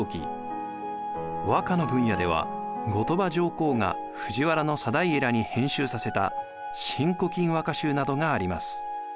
和歌の分野では後鳥羽上皇が藤原定家らに編集させた「新古今和歌集」などがあります。